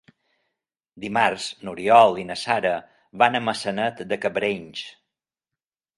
Dimarts n'Oriol i na Sara van a Maçanet de Cabrenys.